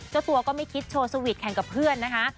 เจ้าตัวก็ไม่คิดโชว์สวีทแข่งกับเพื่อนนะคะ